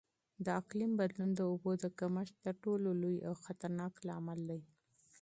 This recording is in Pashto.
د اقلیم بدلون د اوبو د کمښت تر ټولو لوی او خطرناک لامل دی.